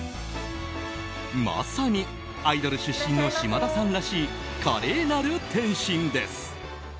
まさにアイドル出身の島田さんらしい華麗なる転身です。